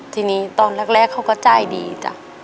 ทีนี้ตอนแรกเขาก็จ่ายดีจ้ะ